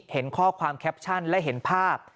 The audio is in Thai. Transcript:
เห็นข้อความแคปชั่นและเห็นภาพ